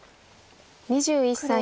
２１歳。